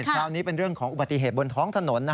คราวนี้เป็นเรื่องของอุบัติเหตุบนท้องถนน